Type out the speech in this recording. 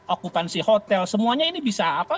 okupansi hotel semuanya ini bisa apa